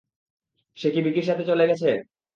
সে কি ভিকির সাথে চলে গেছে?